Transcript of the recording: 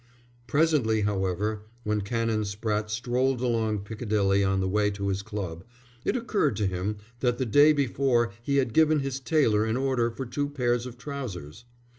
Presently, however, when Canon Spratte strolled along Piccadilly on the way to his club, it occurred to him that the day before he had given his tailor an order for two pairs of trousers.